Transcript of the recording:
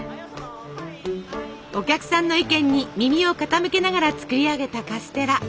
お客さんの意見に耳を傾けながら作り上げたカステラ。